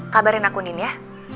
kabarin aku nih ya